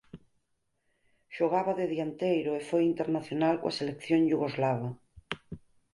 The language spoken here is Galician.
Xogaba de dianteiro e foi internacional coa selección iugoslava.